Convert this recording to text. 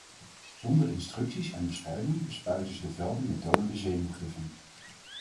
Zonder instructies en bescherming bespuiten ze de velden met dodelijke zenuwgiffen.